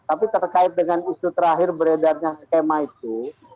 tapi terkait dengan isu terakhir beredarnya skema itu